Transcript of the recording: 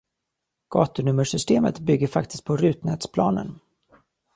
Gatunummersystemet bygger faktiskt på Rutnätsplanen.